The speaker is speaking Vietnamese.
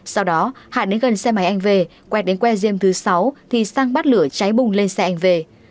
sau đó hải đến gần xe máy anh v v h quẹt đến que diêm thứ sáu thì xăng bắt lửa cháy bùng lên xe anh v v h